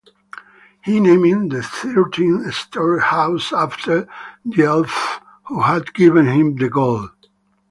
He named the thirteenth storehouse after the elf who had given him the gold.